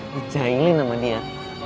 ngecailin sama dia